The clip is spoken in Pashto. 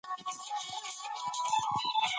سیلانی ځایونه د افغانستان د جغرافیوي تنوع مثال دی.